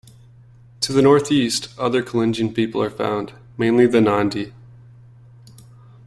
To the north-east, other Kalenjin people are found, mainly the Nandi.